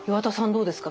どうですか？